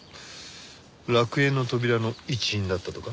楽園の扉の一員だったとか？